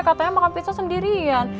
katanya makan pizza sendirian